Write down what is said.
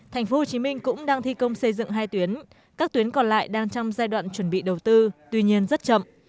tp hcm cũng đang thi công xây dựng hai tuyến các tuyến còn lại đang trong giai đoạn chuẩn bị đầu tư tuy nhiên rất chậm